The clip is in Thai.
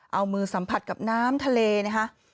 เอามือสัมผัสกับน้ำทะเลนะคะ